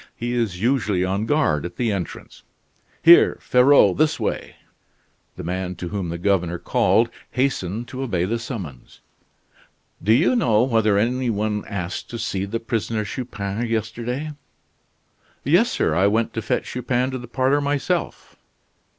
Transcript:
He is usually on guard at the entrance. Here, Ferraud, this way!" The man to whom the governor called hastened to obey the summons. "Do you know whether any one asked to see the prisoner Chupin yesterday?" "Yes, sir, I went to fetch Chupin to the parlor myself."